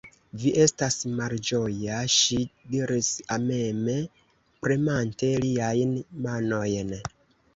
Vi estas malĝoja, ŝi diris, ameme premante liajn manojn.